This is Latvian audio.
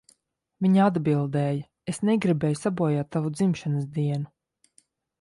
Viņa atbildēja, "Es negribēju sabojāt tavu dzimšanas dienu."